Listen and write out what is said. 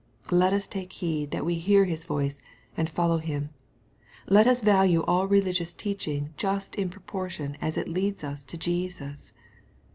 Let us take heed that we hear His voice, and follow Him. Let us value all religious teaching just in proportion as it leads us to Jesus.